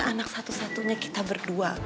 anak satu satunya kita berdua